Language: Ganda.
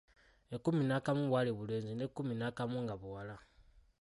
Ekkumi n'akamu bwali bulenzi n'ekkumi n'akamu nga buwala.